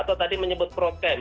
atau tadi menyebut prokem